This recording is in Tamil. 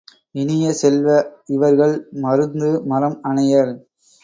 இனிய செல்வ, இவர்கள் மருந்து மரம் அனையர்.